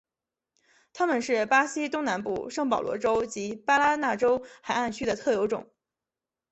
它们是巴西东南部圣保罗州及巴拉那州海岸区的特有种。